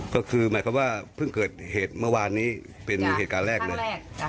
ก็คือหมายความว่าเพิ่งเกิดเหตุเมื่อวานนี้เป็นเหตุการณ์แรกเลย